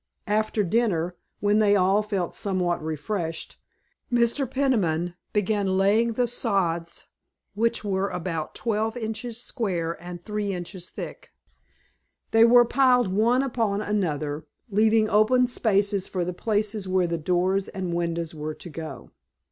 After dinner, when they all felt somewhat refreshed, Mr. Peniman began laying the sods, which were about twelve inches square and three inches thick. They were piled one upon another, leaving open spaces for the places where the doors and windows were to go.